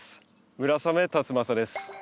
村雨辰剛です。